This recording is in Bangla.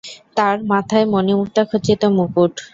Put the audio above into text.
তার মাথায় মণিমুক্তা খচিত মুকুট।